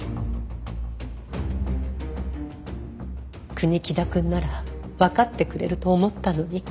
国木田くんならわかってくれると思ったのに。